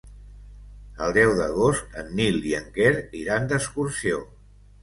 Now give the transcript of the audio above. El deu d'agost en Nil i en Quer iran d'excursió.